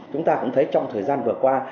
chúng ta cũng thấy trong thời gian vừa qua